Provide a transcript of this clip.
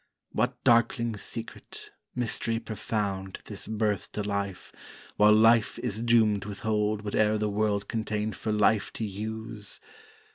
What darkling secret, mystery profound This birth to Life, while Life is doomed withhold Whate'er the world contain for Life to use!